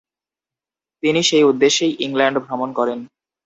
তিনি সেই উদ্দেশ্যেই ইংল্যান্ড ভ্রমণ করেন।